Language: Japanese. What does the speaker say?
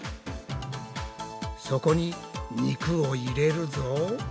そこに肉を入れるぞ。